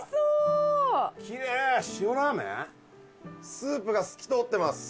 ・・スープが透き通ってます・・